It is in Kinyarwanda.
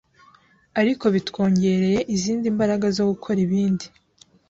ariko bitwongereye izindi mbaraga zo gukora ibindi